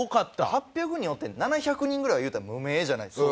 ８００人おって７００人ぐらいは言うたら無名じゃないですか。